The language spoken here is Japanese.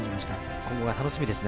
今後が楽しみですね。